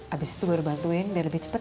abis itu baru bantuin biar lebih cepat